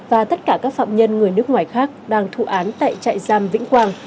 và tất cả các phạm nhân người nước ngoài khác đang thụ án tại trại giam vĩnh quang